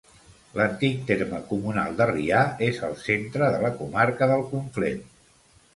L'antic terme comunal de Rià és al centre de la comarca del Conflent.